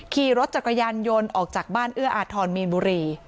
ขี่รถจักรยานยนต์ออกจากบ้านเอื้ออาทรมีนบุรี